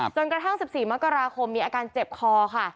จนกระทั่ง๑๔มกราคมมีอาการเจ็บคอค่ะ